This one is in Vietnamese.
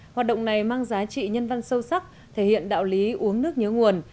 hoạt động này mang giá trị nhân văn sâu sắc thể hiện đạo lý uống nước nhớ nguồn